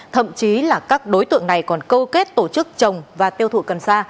thậm chí là các đối tượng này còn câu kết tổ chức trồng và tiêu thụ cần sa